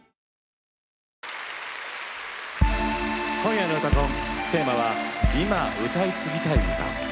今夜の「うたコン」テーマは「今、歌い継ぎたい歌」。